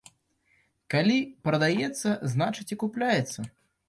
Калі прадаецца, значыць і купляецца.